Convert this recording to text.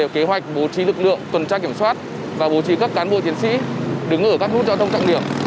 kế hoạch bố trí lực lượng tuần tra kiểm soát và bố trí các cán bộ chiến sĩ đứng ở các nút giao thông trọng điểm